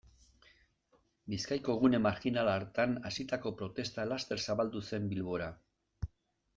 Bizkaiko gune marjinal hartan hasitako protesta laster zabaldu zen Bilbora.